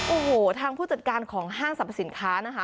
โอ้โหทางผู้จัดการของห้างสรรพสินค้านะคะ